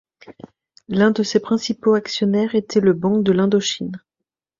L'un de ses principaux actionnaires était le Banque de l'Indochine.